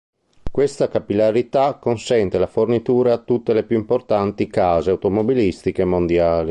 Questa capillarità consente la fornitura a tutte le più importanti case automobilistiche mondiali.